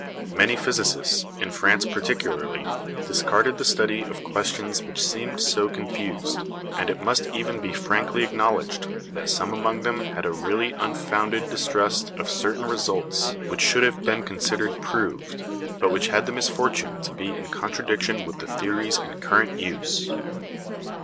Many physicists, in France particularly, discarded the study of questions which seemed so confused, and it must even be frankly acknowledged that some among them had a really unfounded distrust of certain results which should have been considered proved, but which had the misfortune to be in contradiction with the theories in current use.